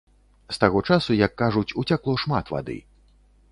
З таго часу, як кажуць, уцякло шмат вады.